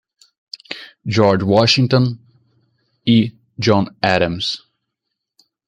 George Washington e John Adams.